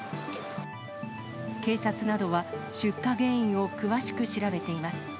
警察などは出火原因を詳しく調べています。